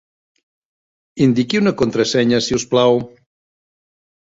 Indiqui una contrasenya, si us plau.